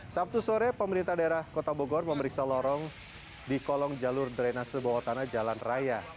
sabtu sore pemerintah daerah kota bogor memeriksa lorong di kolong jalur drenase bawah tanah jalan raya